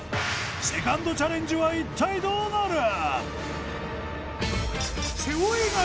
セカンドチャレンジは一体どうなる？